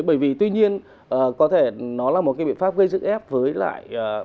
bởi vì tuy nhiên có thể nó là một cái biện pháp gây sức ép với lại